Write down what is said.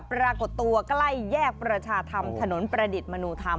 ปรากฏตัวใกล้แยกประชาธรรมถนนประดิษฐ์มนุธรรม